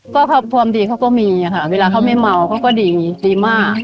ก็พอแม่เขาก็มีอย่างนี้ค่ะเวลาเขาไม่เมาเขาก็ดีมาก